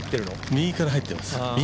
右から入ってます